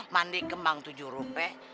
mandi kembang tujuh rupiah